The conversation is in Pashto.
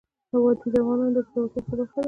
وادي د افغانانو د ګټورتیا برخه ده.